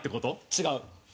違う。